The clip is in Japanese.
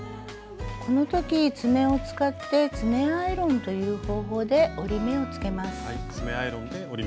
この時爪を使って「爪アイロン」という方法で折り目をつけます。